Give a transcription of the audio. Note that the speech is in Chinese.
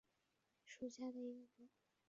鸦跖花为毛茛科鸦跖花属下的一个种。